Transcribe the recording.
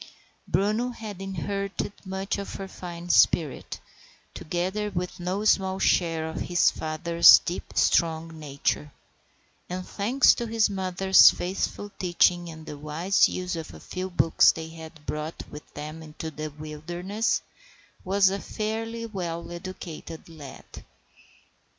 Bruno had inherited much of her fine spirit, together with no small share of his father's deep, strong nature; and, thanks to his mother's faithful teaching and the wise use of the few books they had brought with them into the wilderness, was a fairly well educated lad.